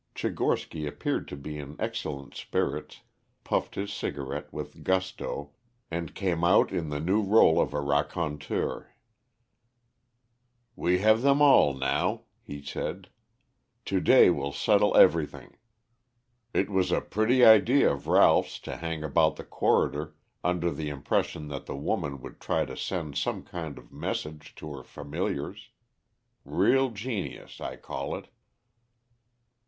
Tchigorsky appeared to be in excellent spirits, puffed his cigarette with gusto and came out in the new rôle of a raconteur. "We have them all now," he said. "To day will settle everything. It was a pretty idea of Ralph's to hang about the corridor under the impression that the woman would try to send some kind of message to her familiars. Real genius, I call it."